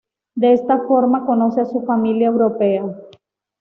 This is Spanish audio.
De esta forma conoce a su familia europea.